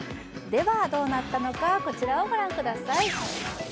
では、どうなったのか、こちらをご覧ください。